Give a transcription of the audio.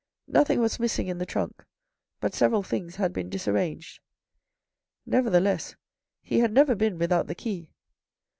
Nothing was missing in the trunk, but several things had been dis arranged. Nevertheless, he had never been without the key.